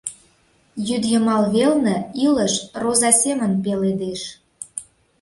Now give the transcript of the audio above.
Йӱдйымал велне илыш роза семын пеледеш.